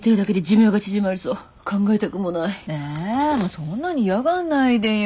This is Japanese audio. そんなに嫌がんないでよ。